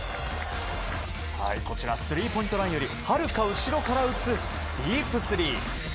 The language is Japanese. スリーポイントラインよりはるか後ろより打つディープスリー。